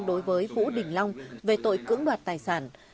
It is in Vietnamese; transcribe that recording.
đối với vũ đình long về tội cưỡng đoạt tài sản